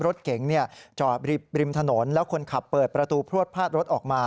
รถเก๋งจอดริมถนนแล้วคนขับเปิดประตูพลวดพาดรถออกมา